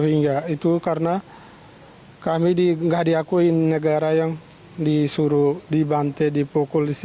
itu karena kami tidak diakui negara yang disuruh dibantai dipukul